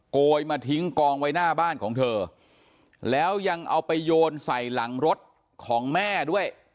โกยมาทิ้งกองไว้หน้าบ้านของเธอแล้วยังเอาไปโยนใส่หลังรถของแม่ด้วย